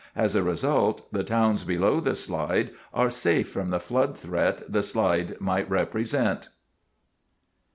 As a result, the towns below the slide are safe from the flood threat the slide might represent.